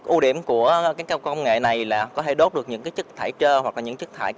ưu điểm của cao công nghệ này là có thể đốt được những chất thải trơ hoặc là những chất thải